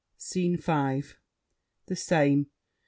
SCENE V The same.